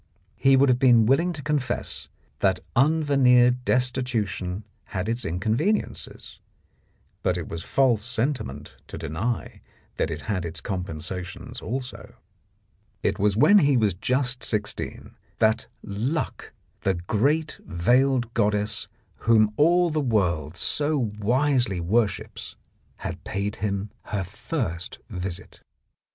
He would have been willing to confess that un veneered destitution had its inconveniences, but it was false sentiment to deny that it had its compensations also. It was when he was just sixteen that Luck, the great veiled goddess whom all the world so wisely c 25 The Blackmailer of Park Lane worships, had paid him her first visit.